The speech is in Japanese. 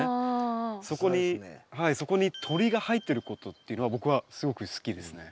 そこに「鳥」が入ってることっていうのは僕はすごく好きですね。